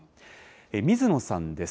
水野さんです。